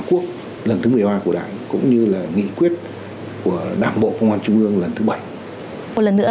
quốc lần thứ một mươi ba của đảng cũng như là nghị quyết của đảng bộ công an trung ương lần thứ bảy một lần nữa